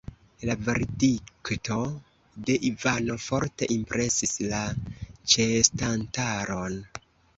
La verdikto de Ivano forte impresis la ĉeestantaron.